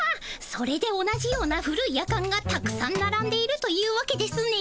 それで同じような古いヤカンがたくさんならんでいるというわけですね。